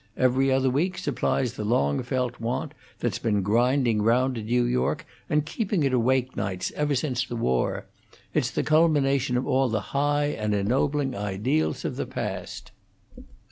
'Every Other Week' supplies the long felt want that's been grinding round in New York and keeping it awake nights ever since the war. It's the culmination of all the high and ennobling ideals of the past."